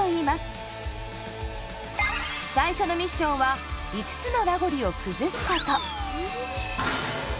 最初のミッションは５つのラゴリを崩すこと。